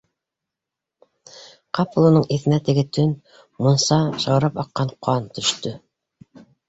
- Ҡапыл уның иҫенә теге төн, мунса, шаурап аҡҡан ҡан төштө.